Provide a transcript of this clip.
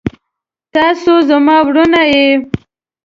تاسو زما وروڼه يې.